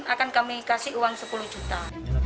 akan kami kasih uang sepuluh juta